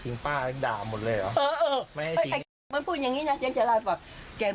เก็บกวนมาใส่ทำไมเก็บมาเยอะจริงจริง